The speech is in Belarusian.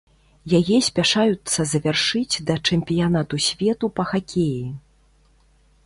Яе спяшаюцца завяршыць да чэмпіянату свету па хакеі.